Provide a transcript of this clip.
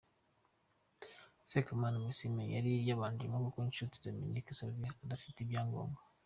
Sekamana Maxime yari yabanjemo kuko Nshuti Dominique Savio adafite ibyangombwa.